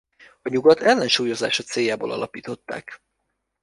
A Nyugat ellensúlyozása céljából alapították.